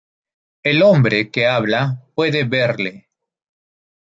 El hombre que habla puede verle.